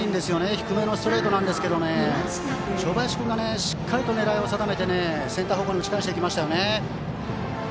低めのストレートなんですけども正林君がしっかり狙いを定めてセンター方向に打ち返していきました。